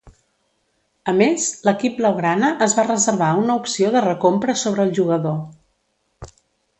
A més, l'equip blaugrana es va reservar una opció de recompra sobre el jugador.